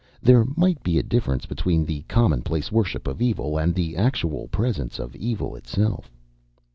There might be a difference between the commonplace worship of evil and the actual presence of Evil itself.